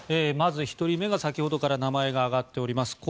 まず１人目が先ほどから名前が挙がっております